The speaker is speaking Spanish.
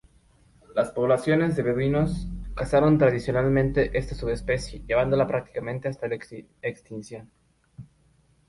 Las poblaciones de beduinos cazaron tradicionalmente esta subespecie, llevándola prácticamente hasta la extinción.